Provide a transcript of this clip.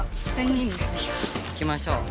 行きましょう。